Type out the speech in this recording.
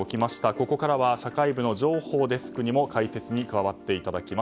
ここからは社会部の上法デスクにも解説に加わっていただきます。